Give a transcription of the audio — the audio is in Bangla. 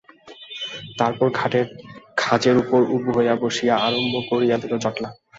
তারপর ঘাটের খাঁজের উপর উবু হইয়া বসিয়া আরম্ভ করিয়া দিল জটলা।